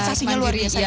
persasinya luar biasa